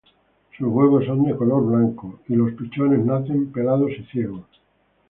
Sus huevos son de color blanco, y los pichones nacen pelados y ciegos.